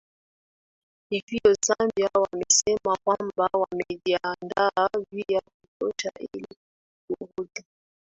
hivyo zambia wamesema kwamba wamejiandaa vya kutosha ili kurudi